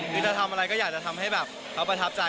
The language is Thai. ภายใจลิงค้าในความยากได้